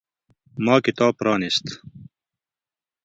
ما کتاب پرانیست.